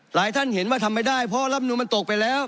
ท่านเห็นว่าทำไม่ได้เพราะรับนูนมันตกไปแล้ว